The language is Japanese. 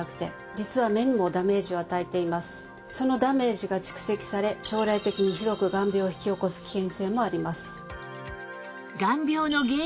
そのダメージが蓄積され将来的に広く眼病を引き起こす危険性もあります。